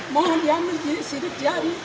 mohon dia ambil sidik jari